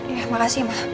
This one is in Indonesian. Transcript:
ya makasih ma